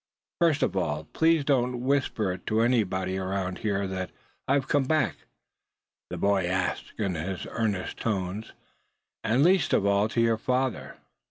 "First of all, please don't whisper it to anybody around here that I have come back," the boy asked in his earnest tones; "and least of all to your father.